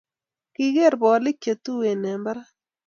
Kigeer bolik chetuen eng barak